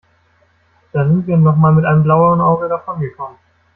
Da sind wir noch mal mit einem blauen Auge davongekommen.